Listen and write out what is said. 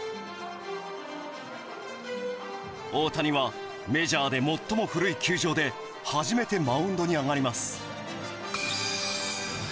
大谷はメジャーで最も古い球場で初めてマウンドに上がります。